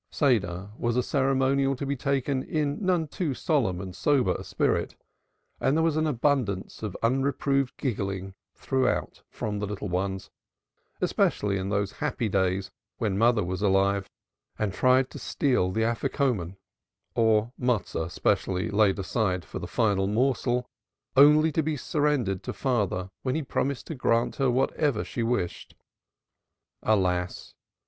Seder was a ceremonial to be taken in none too solemn and sober a spirit, and there was an abundance of unreproved giggling throughout from the little ones, especially in those happy days when mother was alive and tried to steal the Afikuman or Matso specially laid aside for the final morsel, only to be surrendered to father when he promised to grant her whatever she wished. Alas!